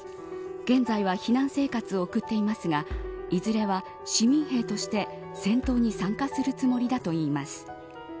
現在は避難生活を送っていますがいずれは市民兵として戦闘に参加するつもりだといいます。